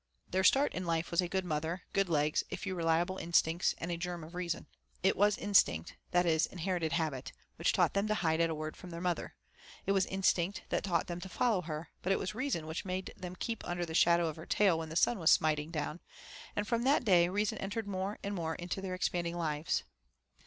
Their start in life was a good mother, good legs, a few reliable instincts, and a germ of reason. It was instinct, that is, inherited habit, which taught them to hide at the word from their mother; it was instinct that taught them to follow her, but it was reason which made them keep under the shadow of her tail when the sun was smiting down, and from that day reason entered more and more into their expanding lives.